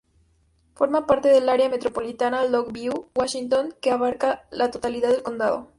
Forma parte del Área Metropolitana Longview, Washington que abarca la totalidad del Condado.